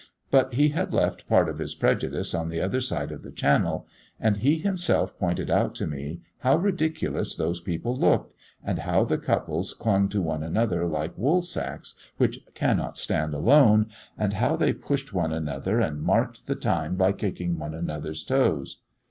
But he had left part of his prejudice on the other side of the channel, and he himself pointed out to me how ridiculous those people looked, and how the couples clung to one another like woolsacks which cannot stand alone, and how they pushed one another, and marked the time by kicking one another's toes."